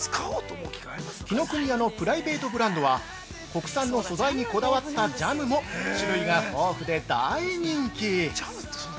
◆紀ノ国屋のプライベートブランドは国産の素材にこだわったジャムも、種類が豊富で大人気。